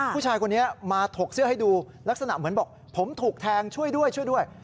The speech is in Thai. ผู้ชายคนนี้มาถกเสื้อให้ดูลักษณะเหมือนบอกผมถูกแทงช่วยด้วยช่วยด้วย